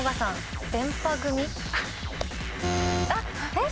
えっ！